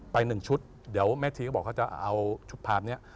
หนึ่งชุดเดี๋ยวแม่ชีก็บอกเขาจะเอาชุดภาพนี้